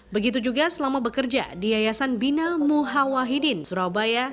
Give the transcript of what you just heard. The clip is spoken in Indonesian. begitu juga selama bekerja di yayasan bina muhawahidin surabaya